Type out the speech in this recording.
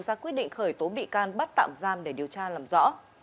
ra quyết định khởi tố bị can bắt tạm giam để điều tra làm rõ